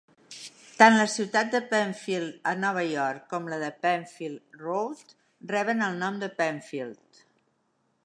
Tant la ciutat de Penfield, a Nova York, com la Penfield Road reben el nom de Penfield.